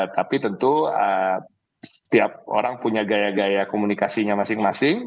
tapi tentu setiap orang punya gaya gaya komunikasinya masing masing